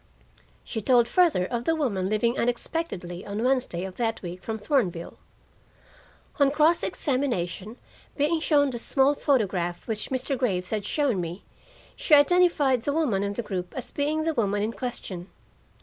She told further of the woman leaving unexpectedly on Wednesday of that week from Thornville. On cross examination, being shown the small photograph which Mr. Graves had shown me, she identified the woman in the group as being the woman in question.